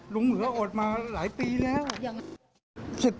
ลุงเขาอดมาหลายปีแล้ว